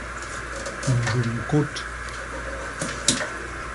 Njum kôt.